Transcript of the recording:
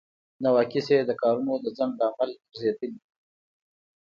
نواقص یې د کارونو د ځنډ لامل ګرځیدل دي.